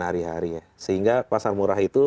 hari hari ya sehingga pasar murah itu